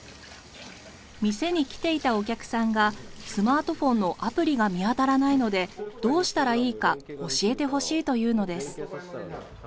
店に来ていたお客さんがスマートフォンのアプリが見当たらないのでどうしたらいいか教えてほしいというのです。